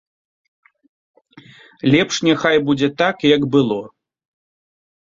Лепш няхай будзе так, як было.